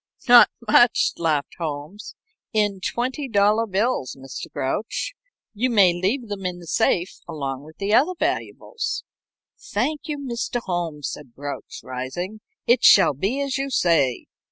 "Not much," laughed Holmes. "In twenty dollar bills, Mr. Grouch. You may leave them in the safe along with the other valuables." "Thank you, Mr. Holmes," said Grouch, rising. "It shall be as you say.